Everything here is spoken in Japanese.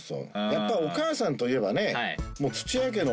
やっぱお母さんといえばね。